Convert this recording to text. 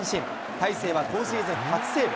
大勢は今シーズン初セーブ。